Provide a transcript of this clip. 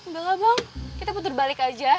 gak lah bang kita puter balik aja